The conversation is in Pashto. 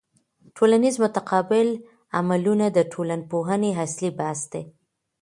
ټولنیز متقابل عملونه د ټولنپوهني اصلي بحث دی.